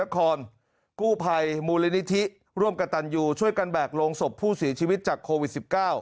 ขอไปห่ะหมวดเอิิศ